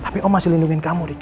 tapi om masih liungin kamu ricky